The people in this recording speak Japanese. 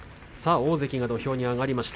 大関が土俵に上がりました。